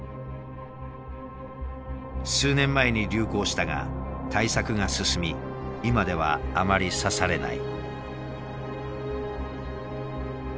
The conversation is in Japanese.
数年前に流行したが対策が進み今ではあまり指されない。